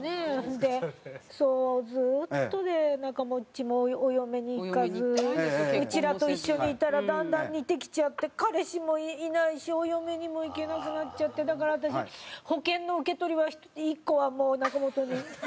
でそうずっとねなかもっちもお嫁にいかずうちらと一緒にいたらだんだん似てきちゃって彼氏もいないしお嫁にもいけなくなっちゃってだから私保険の受け取りは１個はもう仲本に。